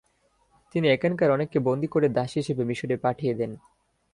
তিনি এখানকার অনেককে বন্দী করে দাস হিসেবে মিশরে পাঠিয়ে দেন।